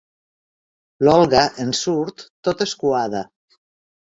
L'Olga en surt tota escuada.